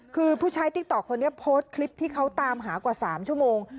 คือผู้ใช้ติ๊กต๊อกคนนี้โพสต์คลิปที่เขาตามหากว่า๓ชั่วโมง